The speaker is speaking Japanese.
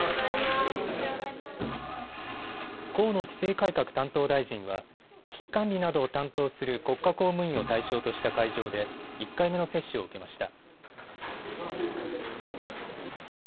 河野規制改革担当大臣は危機管理などを担当する国家公務員を対象とした会場で１回目の接種を受けました。